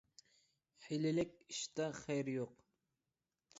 ھىيلىلىك ئىشتا خەير يوق.